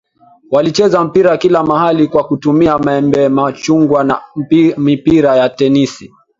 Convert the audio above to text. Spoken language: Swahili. walicheza mpira kila mahali kwa kutumia maembe machungwa au mipira ya tennis